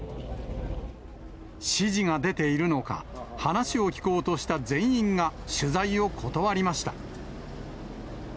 指示が出ているのか、話を聞こうとした全員が取材を断りました。